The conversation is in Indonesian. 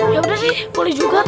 ya udah sih pulih juga